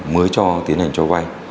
mới tiến hành cho vay